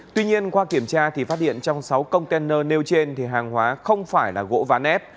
tuy nhiên qua kiểm tra thì phát hiện trong sáu container nêu trên thì hàng hóa không phải là gỗ ván ép